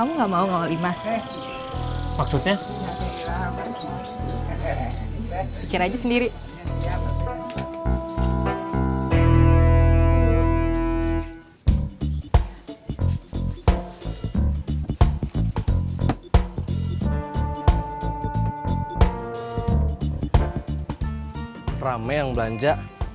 malangin aja orang belanja